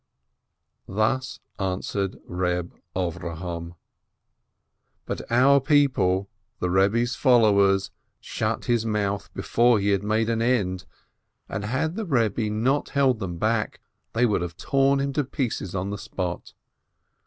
Thus answered Reb Avrohom, but our people, the Rebbe's followers, shut his mouth before he had made an end, and had the Rebbe not held them back, they would have torn him in pieces on the spot.